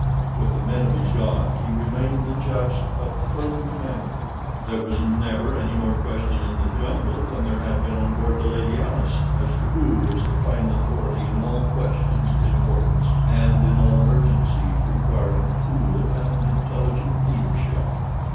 With the men of his yacht he remained the just but firm commander—there was never any more question in the jungle than there had been on board the Lady Alice as to who was the final authority in all questions of importance, and in all emergencies requiring cool and intelligent leadership.